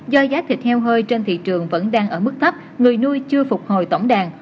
do giá thịt heo hơi trên thị trường vẫn đang ở mức thấp người nuôi chưa phục hồi tổng đàn